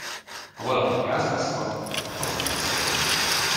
Ha valakin gázmaszk van, az nem beszél.